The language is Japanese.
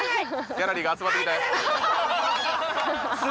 ギャラリーが集まってきたよ